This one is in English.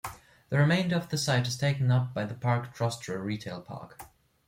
The remainder of the site is taken up by the Parc Trostre retail park.